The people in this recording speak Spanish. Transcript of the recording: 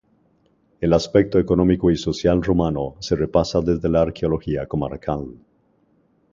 El aspecto económico y social romano se repasa desde la arqueología comarcal.